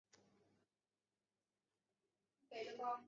途经大卫克洛科特国家森林。